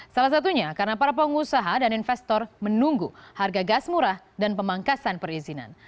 salah satunya karena para pengusaha dan investor menunggu harga gas murah dan pemangkasan perizinan